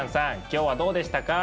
今日はどうでしたか？